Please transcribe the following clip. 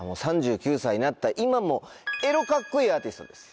３９歳になった今もエロカッコイイアーティストです。